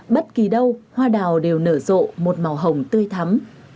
bất kỳ đâu hoa đào đều nở rộ một màu hồng tươi thắm